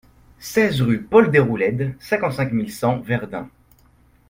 seize rue Paul Deroulède, cinquante-cinq mille cent Verdun